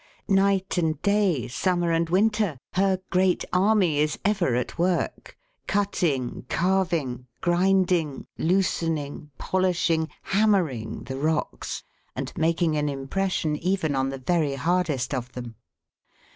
Night and day, summer and winter, her great army is ever at work, cutting, carving, grinding, loosening, polishing, Fig. i. COSMIC DUST. hammering the rocks, and making an impression even on the very hardest of them.